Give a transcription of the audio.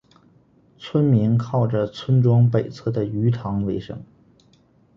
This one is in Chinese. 村民靠着村庄北侧的鱼塘维生。